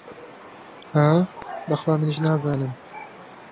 ها، بە خوا منیش نازانم!